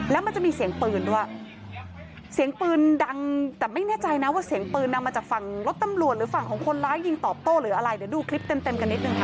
และมันจะมีเสียงปืนด้านมาจากฝั่งรถตำรวจฝั่งของคนร้ายยิงตอบโต่เดี๋ยวดูคลิปเต็มกันนิดหนึ่งค่ะ